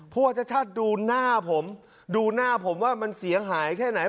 ว่าชาติชาติดูหน้าผมดูหน้าผมว่ามันเสียหายแค่ไหน